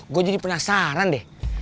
gue jadi penasaran deh